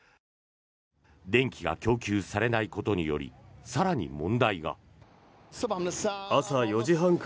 電気が供給されないことにより更に問題が。